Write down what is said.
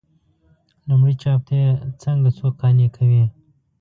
لومړي چاپ ته یې څنګه څوک قانع کوي.